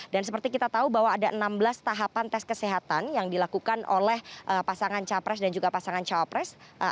dan seperti kita tahu bahwa ada enam belas tahapan tes kesehatan yang dilakukan oleh pasangan capres dan juga pasangan calon presiden